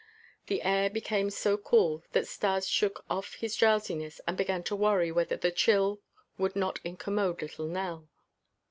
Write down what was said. The air became so cool that Stas shook off his drowsiness and began to worry whether the chill would not incommode little Nell.